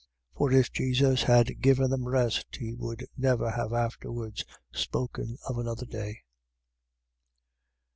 4:8. For if Jesus had given them rest he would never have afterwards spoken of another day.